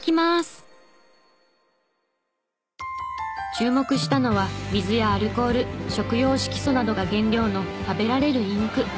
注目したのは水やアルコール食用色素などが原料の食べられるインク。